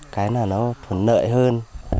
cái này nó thuần nợi hơn